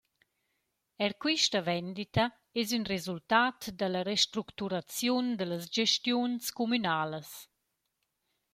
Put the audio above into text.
Eir quista vendita es ün resultat da la restructuraziun da las gestiuns cumünalas.